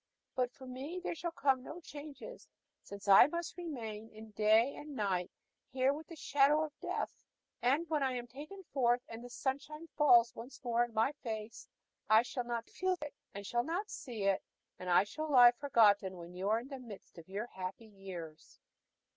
But for me there shall come no change, since I must remain day and night here with the shadow of death; and when I am taken forth, and the sunshine falls once more on my face, I shall not feel it, and shall not see it, and I shall lie forgotten when you are in the midst of your happy years."